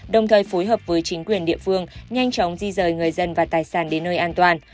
đồng thời phối hợp với chính quyền địa phương nhanh chóng di rời người dân và tài sản đến nơi an toàn